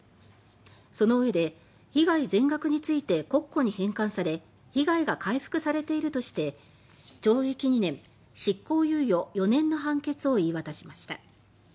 そのうえで「被害全額について国庫に返還され被害が回復されている」として懲役２年、執行猶予４年の判決を言い渡しました。